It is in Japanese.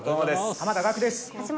濱田岳です。